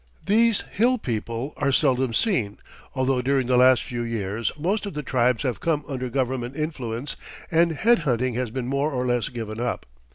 These hill people are seldom seen, although during the last few years most of the tribes have come under government influence and head hunting has been more or less given up.